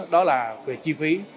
đó là về chi phí